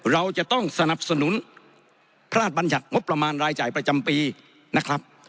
เราจะต้องสนับสนุนพระราชบัญญัติงบประมาณรายจ่ายประจำปีนะครับ